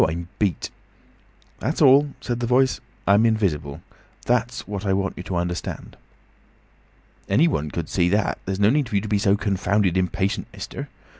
I'm beat." "That's all," said the Voice. "I'm invisible. That's what I want you to understand." "Anyone could see that. There is no need for you to be so confounded impatient, mister.